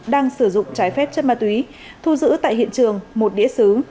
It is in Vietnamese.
đang sử dụng trái phép chất ma túy thu giữ tại hiện trường một đĩa xứ